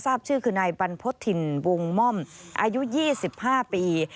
ทราบชื่อคือนายบรรพธินวงม่อมอายุ๒๕ปี